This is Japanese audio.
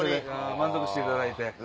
満足していただいて。